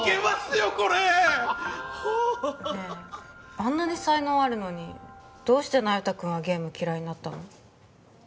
ねえあんなに才能あるのにどうして那由他君はゲーム嫌いになったの？